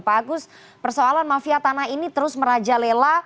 pak agus persoalan mafia tanah ini terus merajalela